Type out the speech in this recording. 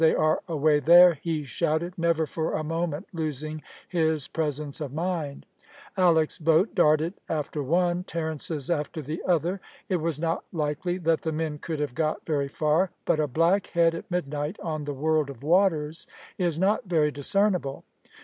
They are away there," he shouted, never for a moment losing his presence of mind. Alick's boat darted after one, Terence's after the other. It was not likely that the men could have got very far; but a black head at midnight on the world of waters is not very discernible.